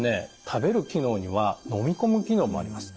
食べる機能には飲み込む機能もあります。